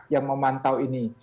yang memantau ini